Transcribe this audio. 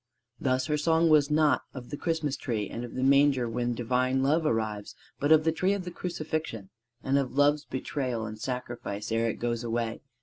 Thus her song was not of the Christmas Tree and of the Manger when Divine love arrives; but of the tree of the Crucifixion and of love's betrayal and sacrifice ere it goes away.